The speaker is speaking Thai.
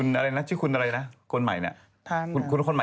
ไปที่คุณไหนม๊า